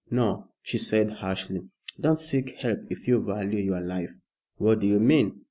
"No!" she said harshly. "Don't seek help if you value your life." "What do you mean?"